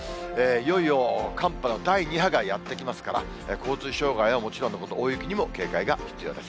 いよいよ寒波の第２波がやって来ますから交通障害はもちろんのこと、大雪にも警戒が必要です。